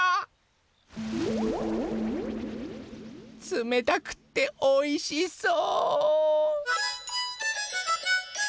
つめたくっておいしそう！